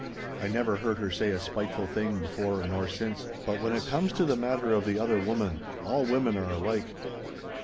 I never heard her say a spiteful thing before nor since—but when it comes to the matter of the Other Woman, all women are alike.